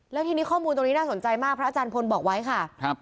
แล้วทีนี้ข้อมูลตรงนี้น่าสนใจมากพระอาจารย์พลบอกไว้ค่ะครับ